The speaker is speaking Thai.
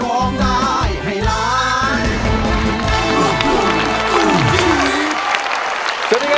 สวัสดีค่ะ